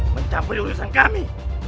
mencampuri urusan kami